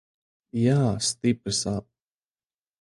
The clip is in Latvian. Jā, stipri sāp.